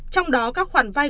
trong đó các khoản vay